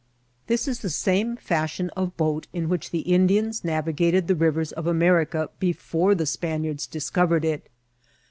This is the same fashion of boat in which the Indians nayi* gated the riTers of America before the Spaniards dis« covered it.